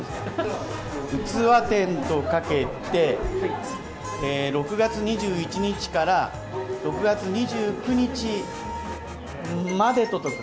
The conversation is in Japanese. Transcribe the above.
うつわ展とかけて、６月２１日から６月２９日までととく。